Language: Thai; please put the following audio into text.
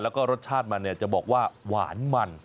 แล้วก็รสชาติมันจะบอกว่าหวานมัน